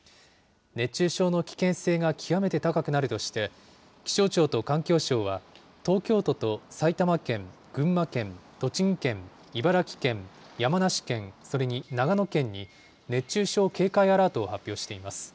熱中症の危険性が極めて高くなるとして、気象庁と環境省は、東京都と埼玉県、群馬県、栃木県、茨城県、山梨県、それに長野県に、熱中症警戒アラートを発表しています。